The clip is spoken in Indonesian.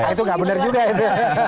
itu gak bener juga itu